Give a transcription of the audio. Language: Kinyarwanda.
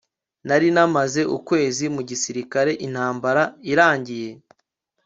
Nari maze ukwezi mu gisirikare intambara irangiye